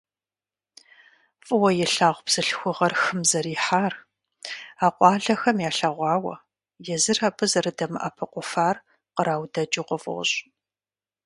ФӀыуэ илъагъу бзылъхугъэр хым зэрыхихьар а къуалэхэм ялъэгъуауэ, езыр абы зэрыдэмыӀэпыкъуфар къраудэкӀыу къыфӀощӀ.